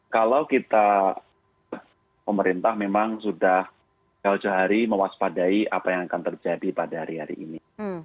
kalau kita pemerintah memang sudah jauh jauh hari mewaspadai apa yang akan terjadi pada hari hari ini